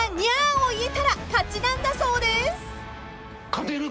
勝てる？